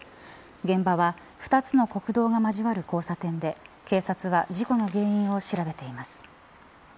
現場は２つの国道が交わる交差点で警察は事故の原因を調べています。